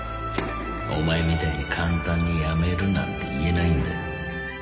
お前みたいに簡単に辞めるなんて言えないんだよ